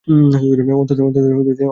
অন্তত আমার দেখা করা উচিত ছিল।